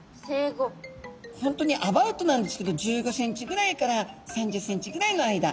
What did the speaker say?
本当にアバウトなんですけど１５センチぐらいから３０センチぐらいの間。